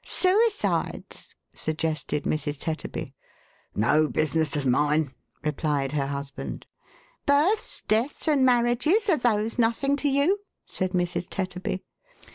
" Suicides," suggested Mrs. Tetterby. " No business of mine," replied her husband. " Births, deaths, and marriages, are those nothing to you •" said Mrs. Tetterby.